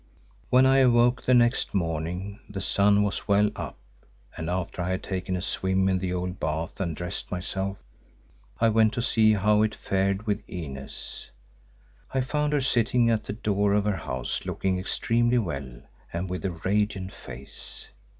When I awoke the next morning the sun was well up and after I had taken a swim in the old bath and dressed myself, I went to see how it fared with Inez. I found her sitting at the door of her house looking extremely well and with a radiant face.